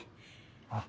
あっ。